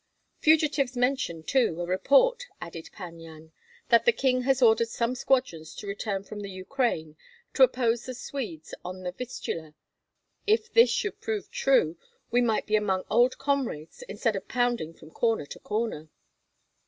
"Fugitives mention too a report," added Pan Yan, "that the king has ordered some squadrons to return from the Ukraine, to oppose the Swedes on the Vistula. If this should prove true, we might be among old comrades instead of pounding from corner to corner."